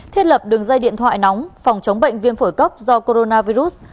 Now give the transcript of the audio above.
thiết lập đường dây điện thoại nóng phòng chống bệnh viêm phổi cấp do coronavirus